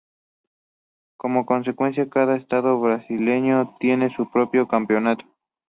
Como consecuencia, cada estado brasileño tiene su propio campeonato.